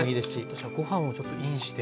私はご飯をちょっとインして。